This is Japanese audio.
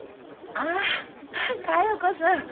ああ加代子さん。